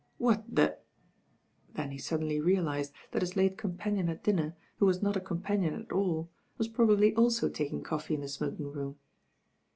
"What the ^»' then he suddenly realised that his late companion at dinner, who was not a com panion at all, was probably also taking coffee in the smoking room.